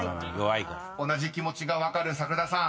［同じ気持ちが分かる桜田さん］